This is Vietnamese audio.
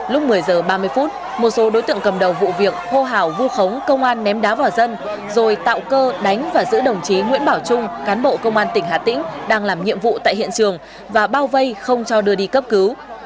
lúc một mươi h ba mươi phút một số đối tượng cầm đầu vụ việc hô hào vu khống công an ném đá vào dân rồi tạo cơ đánh và giữ đồng chí nguyễn bảo trung cán bộ công an tỉnh hà tĩnh đang làm nhiệm vụ tại hiện trường và bao vây không cho đưa đi cấp cứu